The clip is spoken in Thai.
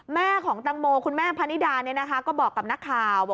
แม่ของตังโมคุณแม่พนิดาก็บอกกับนักข่าว